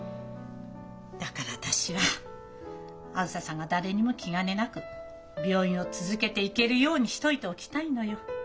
だから私はあづささんが誰にも気兼ねなく病院を続けていけるようにしといておきたいのよ。